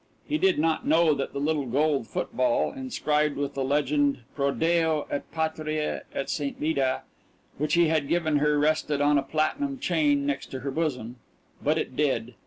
He did not know that the little gold football (inscribed with the legend Pro deo et patria et St. Mida) which he had given her rested on a platinum chain next to her bosom. But it did.